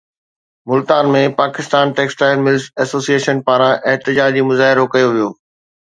Multan ۾ Pakistan textile mills association پاران احتجاجي مظاهرو ڪيو ويو